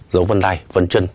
dấu vân đai vân chân